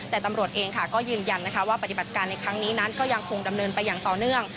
แต่ตำรวจเองก็ยืนยันนะคะว่าปฏิบัติการในครั้งนี้นั้นก็ยังคงดำเนินไปอย่างต่อเนื่อง